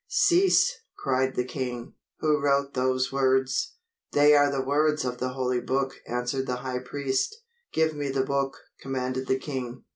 "Cease!" cried the king. "Who wrote those words?" "They are the words of the Holy Book," answered the high priest. "Give me the book," commanded the king.